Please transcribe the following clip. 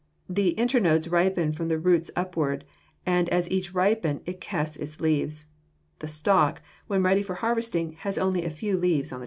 The internodes ripen from the roots upward, and as each ripens it casts its leaves. The stalk, when ready for harvesting, has only a few leaves on the top. [Illustration: Fig.